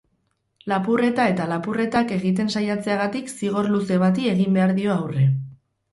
Lapurreta eta lapurretak egiten saiatzeagatik zigor luze bati egin behar dio aurre.